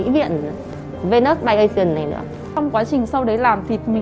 để anh em dùng lo cho các con